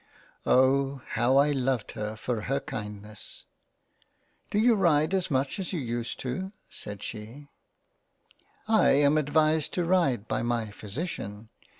Oh ! how I loved her for her kindness ! "Do you ride as much as you used to do ?" said she —. "lam advised to ride by my Physician.